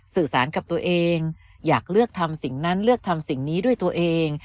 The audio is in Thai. สื่อสารกับตัวเองอยากเลือกทำสิ่งนั้นเลือกทำสิ่งนี้ด้วยตัวเอง